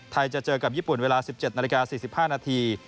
จะเจอกับญี่ปุ่นเวลา๑๗นาฬิกา๔๕นาที